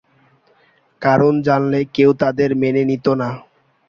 কারণ জানলে কেউ তাদের মেনে নিতো না।